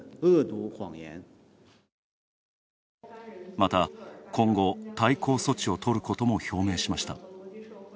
また、今後、対抗措置をとることも表明しました。